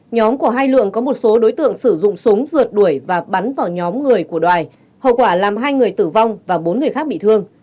nhóm của hai lượng có một số đối tượng sử dụng súng rượt đuổi và bắn vào nhóm người của đoài hậu quả làm hai người tử vong và bốn người khác bị thương